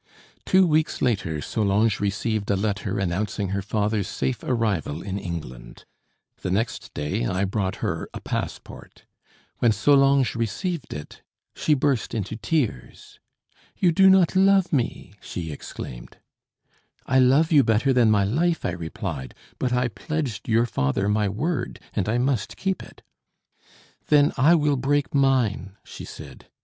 Two weeks later Solange received a letter announcing her father's safe arrival in England. The next day I brought her a passport. When Solange received it she burst into tears. "You do not love me!" she exclaimed. "I love you better than my life," I replied; "but I pledged your father my word, and I must keep it." "Then, I will break mine," she said.